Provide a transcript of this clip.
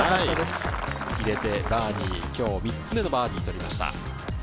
入れてバーディー、今日３つ目のバーディーを取りました。